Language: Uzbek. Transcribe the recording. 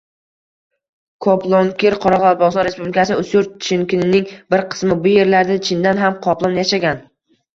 Koplonkir – Qoraqalpog‘iston Respublikasi Ustyurt chinkining bir qismi. Bu yerlarda chindan ham qoplon yashagan.